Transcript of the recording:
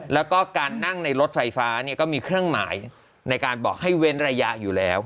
แล้วก็การนั่งในรถไฟฟ้าเนี่ยก็มีเครื่องหมายในการบอกให้เว้นระยะอยู่แล้ว